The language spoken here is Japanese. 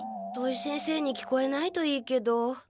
土井先生に聞こえないといいけど。